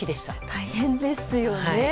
大変ですよね。